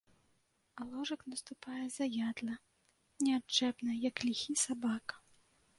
А ложак наступае, заядла, неадчэпна, як ліхі сабака.